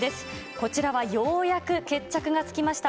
こちらはようやく決着がつきました。